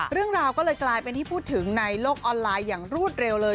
เรื่องราวก็เลยกลายเป็นที่พูดถึงในโลกออนไลน์อย่างรวดเร็วเลย